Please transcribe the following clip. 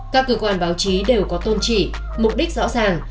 các cơ quan báo chí đều có tôn trị mục đích rõ ràng